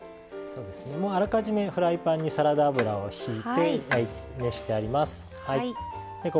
あらかじめフライパンにサラダ油を引いて熱してあります。